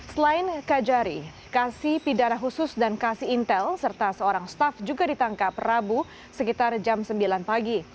selain kajari kasih pidara khusus dan kasih intel serta seorang staff juga ditangkap rabu sekitar jam sembilan pagi